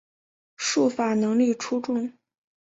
术法能力出众。